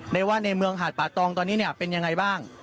ว่าในเมืองหาดป่าตองตอนนี้เนี่ยเป็นยังไงบ้าง